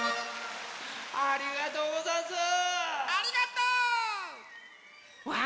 ありがとうござんす。